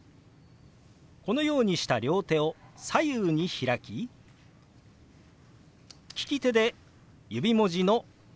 このようにした両手を左右に開き利き手で指文字の「ノ」と表します。